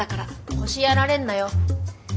腰やられんなよ。